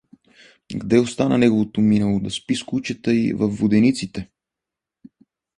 Где остана неговото минало, да спи с кучета във водениците?